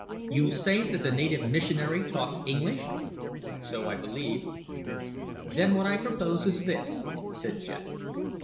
You say that the native missionary talks English?" "So I believe." "Then, what I propose is this," said Jack.